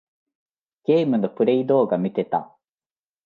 ゲームのプレイ動画みてた。